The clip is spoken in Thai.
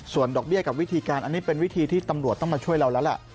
ส่วนดอกเบี้ยกับวิธีการอันนี้เป็นวิธีที่ตำรวจต้องมาช่วยเราแล้วล่ะ